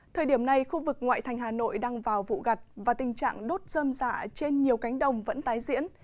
thời điểm này khu vực ngoại thành hà nội đang vào vụ gặt và tình trạng đốt dơm dạ trên nhiều cánh đồng vẫn tái diễn